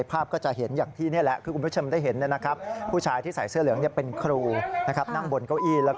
มึงคุกไอ้มึงก็ถูกฟื้นคุกไอ้